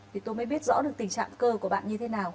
thì tôi mới biết rõ được tình trạng cơ của bạn như thế nào